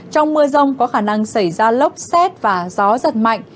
trong mưa rông có khả năng xảy ra lốc xét và gió giật mạnh